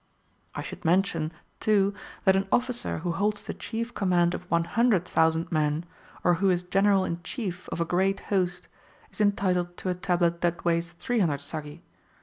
I should mention too that an officer who holds the chief command of 100,000 men, or who is general in chief of a great host, is entitled to a tablet that weighs 300 saggi.